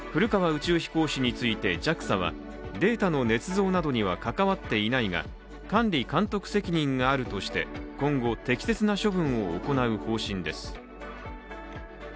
宇宙飛行士についてＪＡＸＡはデータのねつ造などには関わっていないが管理監督責任があるとして今後、適切な処分を行う方針です。